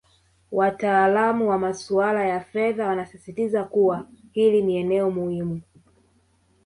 Wataalamu wa masuala ya fedha wanasisitiza kuwa hili ni eneo muhimu